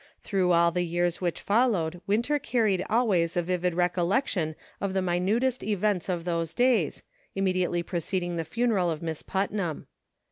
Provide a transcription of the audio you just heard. Through all the years which followed Winter carried always a vivid rec ollection of the minutest events of those days, im mediately preceding the funeral of Miss Putnam.